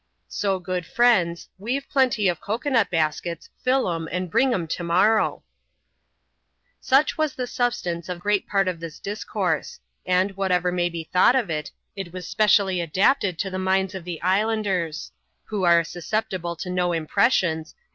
So, good friends, weave plenty of cocoa nut baskets, All *em, and bring *em to morrow." Such was the substance of great part of this discourse ; and, whatever may be thought of it, it was specially adapted to the minds of the islanders ; who are susceptible to no impressions, except from things palpable, or novel and striking.